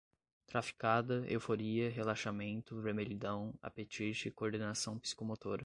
traficada, euforia, relaxamento, vermelhidão, apetite, coordenação psicomotora